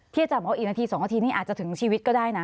ที่จะบอกว่าอีกนาทีสองนาทีนี่อาจจะถึงชีวิตก็ได้นะ